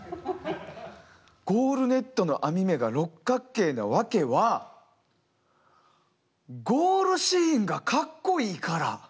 ゴールネットの編目が六角形なワケはゴールシーンがカッコイイから。